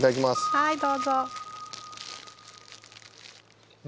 はいどうぞ。